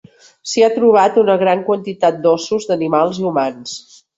S'hi ha trobat una gran quantitat d'ossos d'animals i humans.